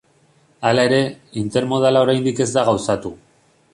Hala ere, intermodala oraindik ez da gauzatu.